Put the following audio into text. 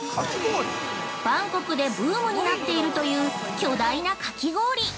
◆バンコクでブームになっているという、巨大なかき氷。